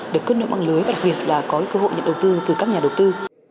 được cân động bằng lưới và đặc biệt là có cơ hội nhận đầu tư từ các nhà đầu tư